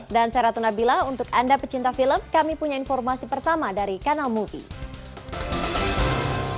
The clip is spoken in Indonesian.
dan saya ratu nabila untuk anda pecinta film kami punya informasi pertama dari kanal movies